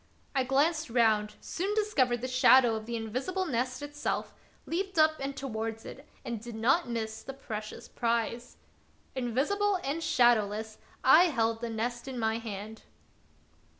I glanced round, soon discovered the shadow of the invisible nest itself, leaped up and towards it, and did not miss the precious prize. Invisible and shadowless, I held the nest in my hand.